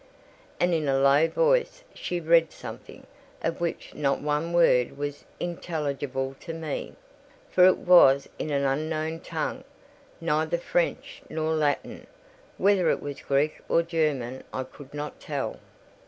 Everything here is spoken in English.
And in a low voice she read something, of which not one word was intelligible to me; for it was in an unknown tongue—neither French nor Latin. Whether it were Greek or German I could not tell.